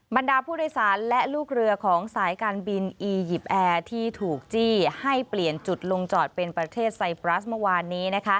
บรรดาผู้โดยสารและลูกเรือของสายการบินอียิปต์แอร์ที่ถูกจี้ให้เปลี่ยนจุดลงจอดเป็นประเทศไซปรัสเมื่อวานนี้